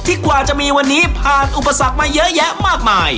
กว่าจะมีวันนี้ผ่านอุปสรรคมาเยอะแยะมากมาย